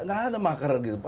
nggak ada makan gitu